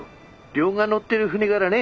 亮が乗ってる船がらね